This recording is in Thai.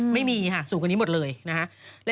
ไม่มีค่ะสูงกว่านี้หมดเลยนะฮะ